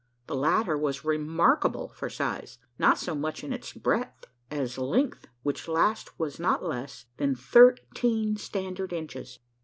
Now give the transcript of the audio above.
The latter was remarkable for size not so much in its breadth as length, which last was not less than thirteen standard inches!